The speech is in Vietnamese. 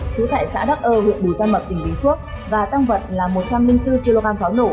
trú tại xã đắc ơ huyện bùi giang mập tỉnh bình quốc và tăng vận là một trăm linh bốn kg gió nổ